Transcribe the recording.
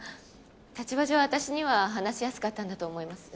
立場上私には話しやすかったんだと思います。